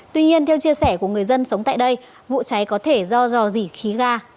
tuy nhiên theo chia sẻ của người dân sống tại đây vụ cháy có thể do dò dỉ khí ga